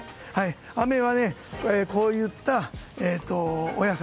雨はこういったお野菜。